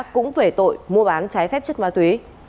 cũng về tội mua bán trái phép chất ma túy